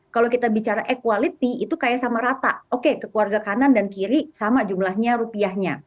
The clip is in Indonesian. kalau kita bicara equality itu kayak sama rata oke ke keluarga kanan dan kiri sama jumlahnya rupiahnya